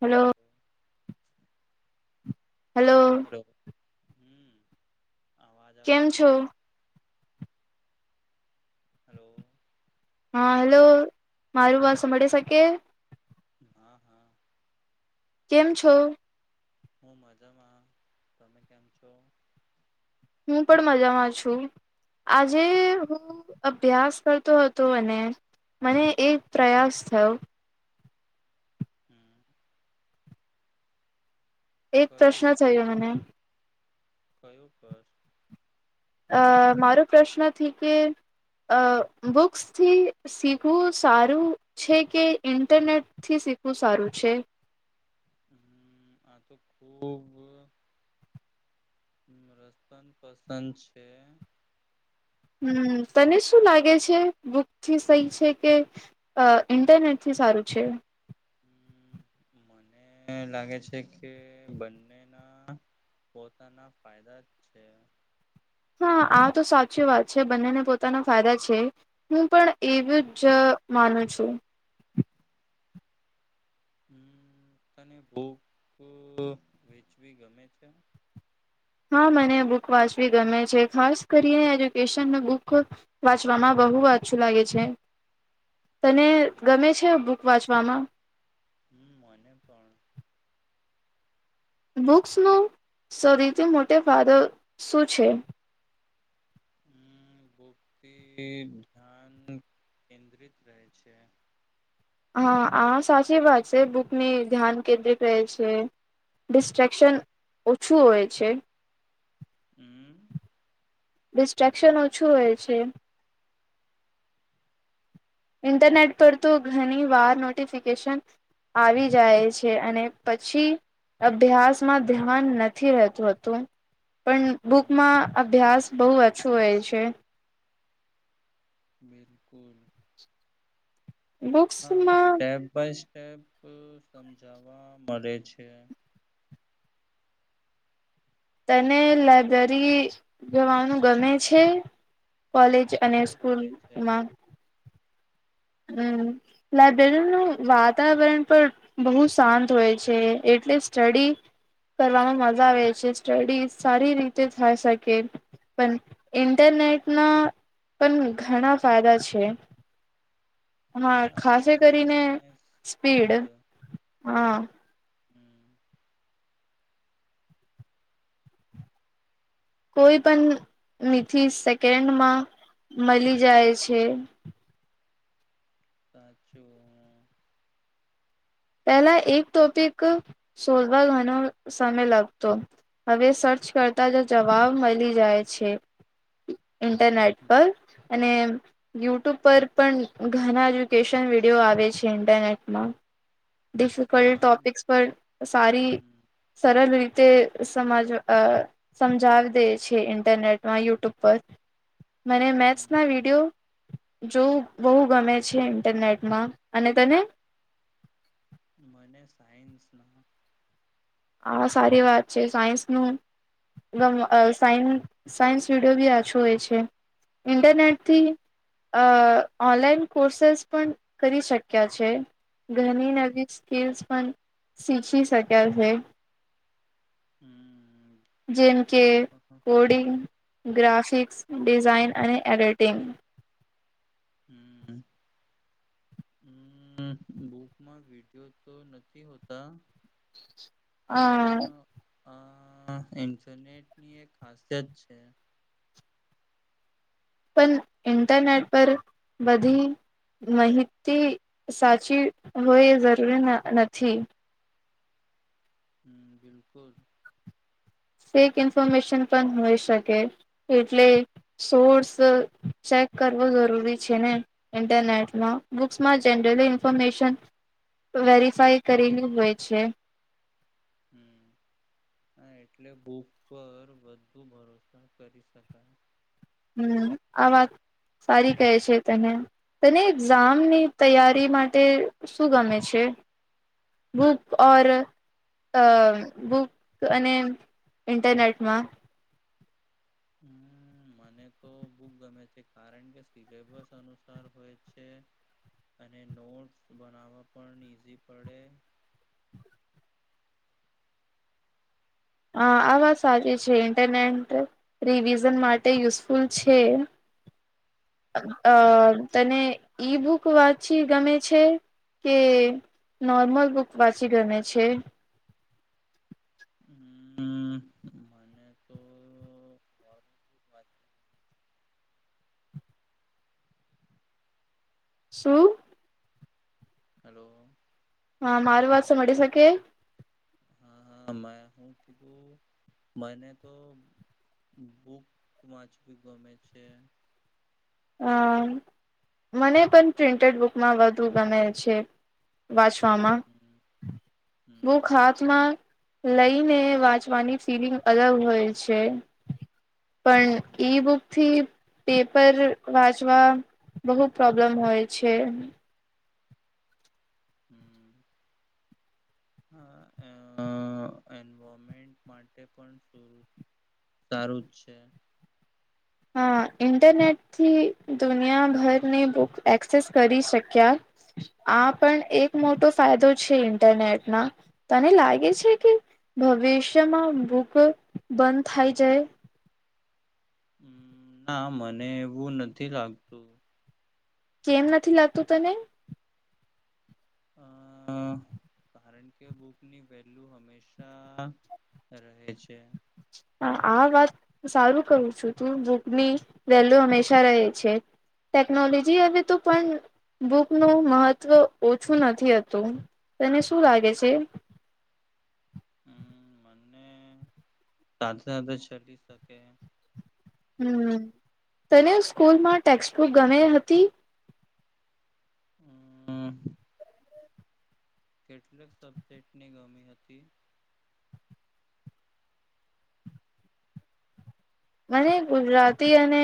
Hello hello. હમ્મ. અવાજ આવે કેમ છે છો મારું. હલો હા હેલો મારું વાત સાભળી શકે? હા હા. કેમ છો? હું મજામાં. તમે કેમ છો? હું પણ મજામાં છું. આજે હું અભ્યાસ કરતો હતો અને મને એક પ્રયાસ થયો. હમ્મ એક કયો પ્રશ્ન થયો મને. કયો પ્રશ્ન? અ મારો પ્રશ્નથી કે અ બુક્સથી શીખવું સારું છે કે ઇન્ટરનેટથી શીખવું સારું છે? હમ આ તો ખુબ રસ્તા ન પસંદ છે. હમ તને શું લાગે છે બુકથી સહી છે કે ઇન્ટરનેટથી સારું છે? મને લાગે છે કે બંનેના પોતાના ફાયદા છે. હા આ તો સાચી વાત છે બંનેને પોતાના ફાયદા છે હું પણ એવું જ માનું છું. હમ તને બુક વેચવી ગમે છે? હા મને બુક વાંચવી ગમે છે ખાસ કરીને એજ્યુકેશન બુક વાંચવામાં બહુ વાચુ લાગે છે. તને મને ગમે છે બુક વાંચવામાં? હમ મને પણ બુક્સનો સરીથી મોટે ફાયદો શું છે. હમ બુકથી ધ્યાન કેન્દ્રિત રહે છે. હા આ સાચી વાત છે બુકની ધ્યાન કેન્દ્રિત રહેે છે ડિસ્ટ્રકશન ઓછું હોય છે. હમ્મ. ડિસ્ટ્રેક્શન ઓછું હોય છે. ઇન્ટરનેટ પર તો ઘણી વાર નોટિફિકેશન આવી જાય છે અને પછી અભ્યાસમાં ધ્યાન નથી રહેતું હતું. પણ બુક હમ માં અભ્યાસ બહુ ઓછો હોય છે. છે. બિલકુલ. હા બુક્સમાં સ્ટેપ બાય સ્ટ [inaudible] સમજાવા મળે છે. તને લાઈબ્રેરી જવાનું ગમે છે. કોલેજ અને બહુ ગમે છે સ્કૂલમાં. હમ લાયબ્રેરીનું વાતાવરણ પણ બહુ શાંત હોય છે એટલે સ્ટડી કરવામાં મજા આવે છે સ્ટડી સારી રીતે થઈ શકે પણ ઇન્ટરનેટના પણ ઘણા ફાયદા છે. હા ખાશે કરીને સ્પીડ હા. હમ કોઈ પણ નીધિ સેકન્ડમાં મળી જાય છે. સાચું હ. પહેલા એક ટોપિક સોધવા ઘણો સમય લાગતો હવે સર્ચ કરતા જ જવાબ મળી જાય છે. ઇન્ટરનેટ પર અને. યુટ્યુબ પર પણ ઘણા એજ્યુકેશન વિડીયો આવે છે ઇન્ટરનેટમાં. ડિફિકલ્ટ હા ટોપિક્સ પર. સારી હમ સરળ રીતે સમજ સમજાવી દે છે ઇન્ટરનેટમાં યુટ્યુબ પર. મને મેથસ હમ ના વિડીયો. જોવું બહુ ગમે છે ઇન્ટરનેટમાં અને તને. મને સાયન્સ ના. આ સારી વાત છે સાયન્સનું સાય સાયન્સ વિડીિયો બી આછો હોય છે ઇન્ટરનેટથી અ ઓનલાઈન કોર્સેસ પણ કરી શક્યા છે ઘણી નવી સ્કીલ્સ પણ શીખી શક્યા છે. હમ. જેમ કે કોડિંગ ગ્રાફિક્સ ડિઝાઇન અને એડિટિંગ. હમ. હ બુકમાં વિડીયો તો નથી હોતા. હ [unintelligible] અ ઇન્ફરનેટ ની એક ખાસિયત છે. પણ ઈન્ટરનેટ પર બધી માહિતી સાચી હોય જરૂરી નથી. હ બલકુલ. ફેક ઇન્ફોર્મેશન પણ હોય શકે એટલે સોર્સ ચેક કરવો જરૂરી છે ને ઇન્ટરનેટમાં. માં હમ જનરલી ઇન્ફોર્મેશન. વેરિફાઈ કરેલી હોય છે. હમ હા એટલે બૂક પર બુ ભરોસા કરી શકાય. હમ આ વાત સારી કહે છે તને તને એક્ઝામની તૈયારી માટે શું ગમે છે બુક ઓર અ બુક અને ઇન્ટરનેટમાં. હમ મને તો બુક ગમે છે કારણ કે સિલેબસ અનુસાર હોય છે અને નોટસ બનાવવા પણ ઈઝી પડે. અ આ વાત સાચી છે ઇન્ટરનેટ રિવિઝન માટે યુઝફુલ છે અ તને ઈ બુક વાંચી ગમે છે કે નોર્મલ બુક વાંચી ગમે છે. હમ મને તો શું. હલો. હા માર વાત સાંભળી શકે. હા હા મે હું કીધું મને તો બુક વાંચવી ગમે છે. હ મને પણ પ્રિન્ટેડ બુકમાં વધુ ગમે છે. વાંચવામાં હમ ભૂખ હમ હાથમાં. લઈને વાંચવાની ફિલિંગ અલગ હોય છે. પણ જે ઈ બુક થી પેપર. વાંચવા બહુ પ્રોબ્લેમ હોય છે. હમ હા એમેન્ટ માટે પણ સારું છે. હા ઇન્ટરનેટથી દુનિયાભરની બુક એક્સેસ કરી શક્યા આ પણ એક મોટો ફાયદો છે ઇન્ટરનેટના તને લાગે છે કે ભવિષ્યમાં બુક બંધ થઈ જાય હ ના મને એવું નથી લાગતું. કેમ નથી લાગતું તને. અ કારણ કે બુક ની વેલ્યુ હંમેશા રહે છે. હ આ વાત સારું કરું છું તું બુકની વેલ્યુ હંમેશા રહે છે ટેકનોલોજી હવે તો પણ બુકનું મહત્ત્વ ઓછું નથીથતું તને શું લાગે છે. હમ મને સાથે સાથે ચલી શકે. હમ તને સ્કૂલમાં ટેક્સ્ટબુક ગમે હતી. હમ્મ કેટલાક સબ્જેક્ટની ગમી હતી. મને ગુજરાતી અને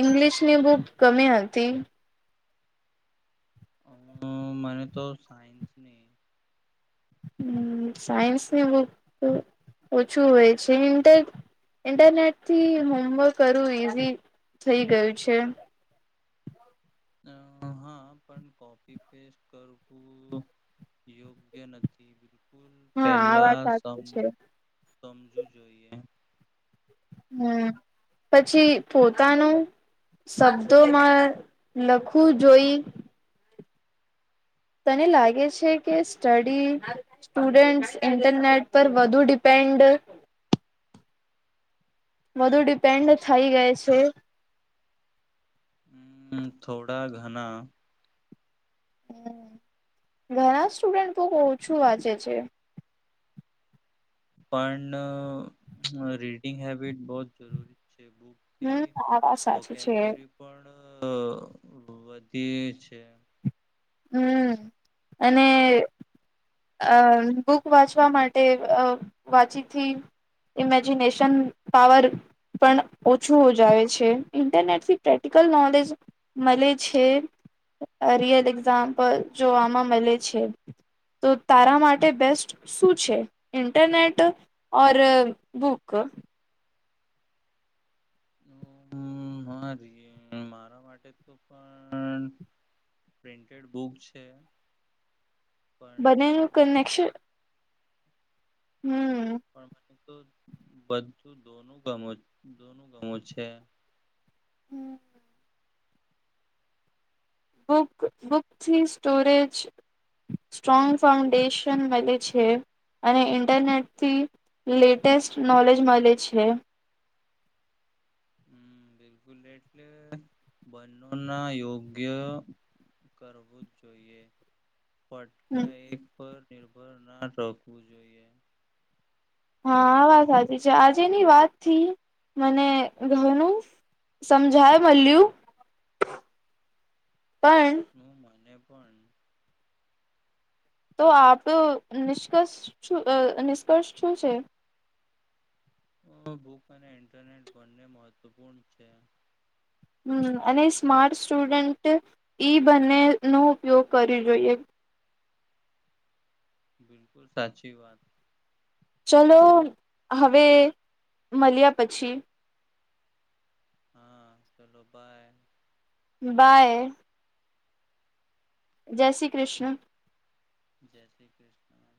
ઇંગ્લિશની બુક ગમી હતી. અ મને તો સાયન્સ ની હમ્મ સાયન્સની બુક ઓછું હોય છે ઇન્ટર ઇન્ટરનેટ થી હોમવર્ક કરવું ઈઝી થઇ ગયું છે. અ હા પણ કોપી પેસ્ટ કરવું યોગ્ય નથી બિલકુલ. હા આ વાત પેલા સમ સાચી છે સમજવું જોઈએ. હમ્મ પછી પોતાનું શબ્દોમાં લખવું જોઈ. તને લાગે છે કે સ્ટડી સ્ટુડન્ટ્સ ઇન્ટરનેટ પર વધુ ડિપેન્ડ. વધુ ડિપેન્ડ થઈ ગઈ છે. હમ થોડા ઘણા. હ ઘણા સ્ટુડન્ટ બહુ ઓછું વાંચે છે. પણ રીડિંગ હેબિટ બો જરૂરી. છે હમ બુકથી આ વાત સાચી છે વોકેબલેરી પણ. વધી છે. હમ્મ અને અ બુક વાંચવા માટે વાંચીથી ઇમેજિનેશન પાવર પણ ઓછું હો જ આવે છે ઇન્ટરનેટથી. Practical knowledge. મળે છે. અ [unintelligible] જોવામાં મળે છે તો તારા માટે બેસ્ટ શું છે ઇન્ટરનેટ ઓર બુક. મારી મારા માટે તો પ્રિન્ટડ બુક છે. પણ બનેનું કન્નેકશન [inaudible] તો બધું દોનું ગમો દોનું ગમો છે. બુક બુકથી સ્ટોરેજ સ્ટ્રોંગ ફાઉન્ડેશન મળે છે અને ઇન્ટરનેટથી લેટેસ્ટ નોલેજ મળે છે. હમ બિલકુલ એટલે બંનો ના યોગ્ય કરવું જ જોઈએ. ફટકા એક પર. નિર્ભર ના રોહવું જોઈએ. હા વાત સાચી છે આજેની વાત થી મને ઘણું સમજાય મળ્યું. પણ હું મને. પણ તો આપ નિષ્કર્ષ નિષ્કર્ષ શું છે. બુક અને ઇન્ટરનેટ બંને મહત્વપૂર્ણ છે. હમ્મ અને સ્માર્ટ સ્ટુડન્ટ ઈ બંને નો ઉપયોગ કરવ બિલકુલ સાચી વાત. ચલો હવે મળ્યા પછી. હા ચાલો બાય. બાય. જય શ્રી કૃષ્ણ. જય શ્રી કૃષ્ણ.